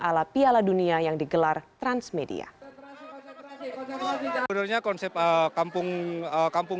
atau perlombaan yang akan mencapai kemampuan